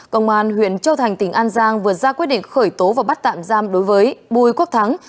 công an huyện châu thành tỉnh an giang vừa ra quyết định khởi tố và bắt tạm giam đối với bùi quốc thắng